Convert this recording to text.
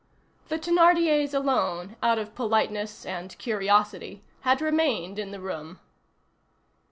The Thénardiers alone, out of politeness and curiosity, had remained in the room.